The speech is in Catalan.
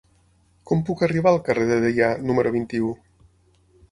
Com puc arribar al carrer de Deià número vint-i-u?